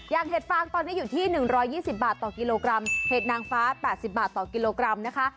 เห็ดฟางตอนนี้อยู่ที่๑๒๐บาทต่อกิโลกรัมเห็ดนางฟ้า๘๐บาทต่อกิโลกรัมนะคะ